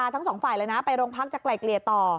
ทั้งสองฝ่ายเลยนะไปโรงพักจะไกลเกลี่ยต่อ